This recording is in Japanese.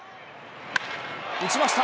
打ちました。